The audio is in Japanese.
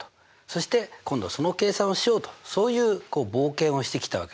そして今度その計算をしようとそういう冒険をしてきたわけですよ。